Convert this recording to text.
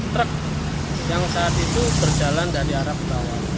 terus ada kecepatan yang saat itu berjalan dari arah berlawanan